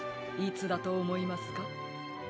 いつだとおもいますか？